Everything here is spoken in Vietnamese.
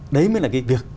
đấy mới là cái việc